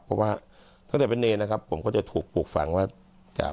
เพราะว่าตั้งแต่เป็นเนรนะครับผมก็จะถูกปลูกฝังว่าจะ